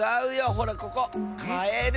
ほらここカエル。